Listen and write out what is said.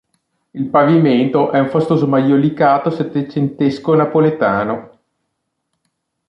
Il pavimento è un fastoso maiolicato settecentesco napoletano.